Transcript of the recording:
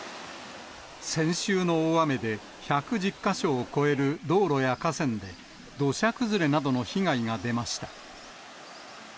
先週の大雨で１１０か所を超える道路や河川で、土砂崩れなどの被害が出ました。